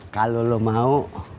kalau lu mau